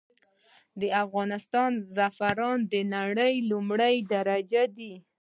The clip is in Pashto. د افغانستان زعفران د نړې لمړی درجه دي.